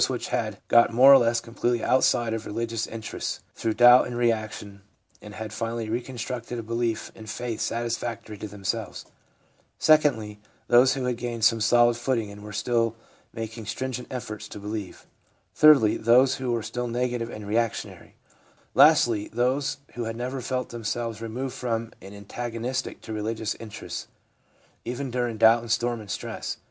The cases fall into four groups : first, those who had got more or less completely outside of religious interests through doubt and reaction, and had finally constructed a belief and faith satisfactory to themselves ; secondly, those who had gained some solid footing and were still making stringent efforts to believe; thirdly, those who were still negative and reactionary ; lastly, those who had never felt themselves removed from and antagon istic to religious interests, even during doubt and storm and stress.